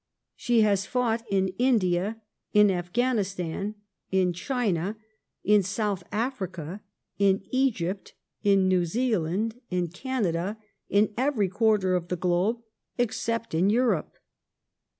She has fought in India, in Afghanistan, in China, in South Africa, in Egypt, in New Zealand, in Canada — in every quarter of the globe except in Europe.